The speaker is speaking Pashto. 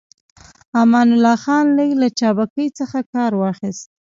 امان الله خان لږ له چابکۍ څخه کار واخيست.